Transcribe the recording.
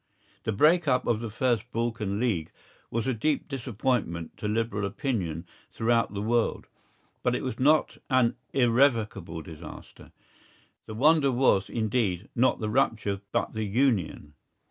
The break up of the first Balkan League was a deep disappointment to liberal opinion throughout the world; but it was not an irrevocable disaster. The wonder was, indeed, not the rupture but the union.